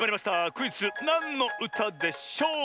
クイズ「なんのうたでしょう」！